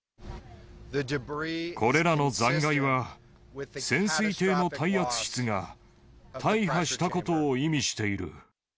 これらの残骸は、潜水艇の耐圧室が大破したことを意味している。